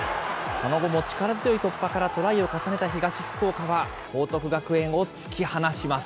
その後も力強い突破からトライを重ねた東福岡は、報徳学園を突き放します。